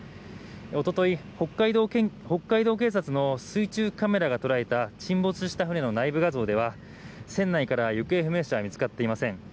おととい北海道警察の水中カメラが捉えた沈没した船の内部画像では船内から行方不明者は見つかっていません。